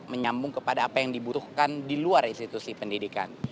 menyambung kepada apa yang dibutuhkan di luar institusi pendidikan